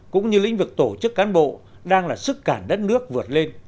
cũng như lĩnh vực tổ chức cán bộ đang là sức cản đất nước vượt lên